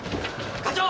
課長！